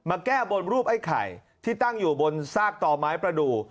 แก้บนรูปไอ้ไข่ที่ตั้งอยู่บนซากต่อไม้ประดูก